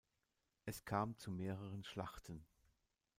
Es kam zu mehreren Schlachten.